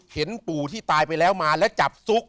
ปู่ที่ตายไปแล้วมาแล้วจับซุก